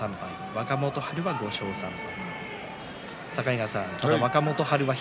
若元春は５勝３敗。